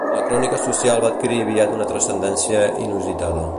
La crònica social va adquirir aviat una transcendència inusitada.